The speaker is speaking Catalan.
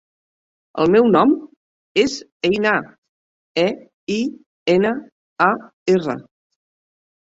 El meu nom és Einar: e, i, ena, a, erra.